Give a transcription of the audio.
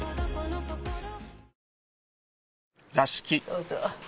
どうぞ。